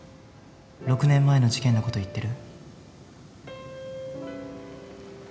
６年前の事件の事言ってる？